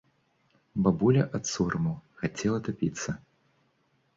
Бабуля ад сораму хацела тапіцца.